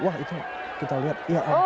wah itu kita lihat